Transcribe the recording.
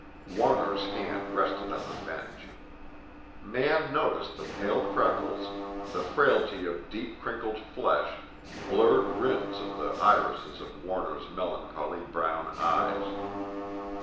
Warner's hand rested on the bench. Mann noticed the pale freckles, the frailty of deep crinkled flesh, blurred rims of the irises of Warner's melancholy brown eyes.